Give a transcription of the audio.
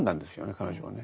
彼女をね。